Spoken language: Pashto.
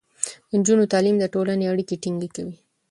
د نجونو تعليم د ټولنې اړيکې ټينګې کوي.